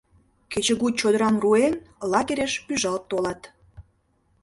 Кечыгут чодырам руэн, лагерьыш пӱжалт толат.